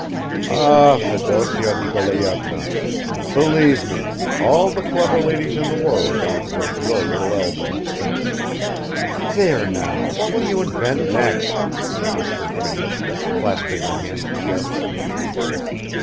"Ah, Fedosya Nikolayevna! Believe me, all the clever ladies in the world aren't worth your little elbow." "There now, what will you invent next!" whispered Fenichka, clasping her hands together.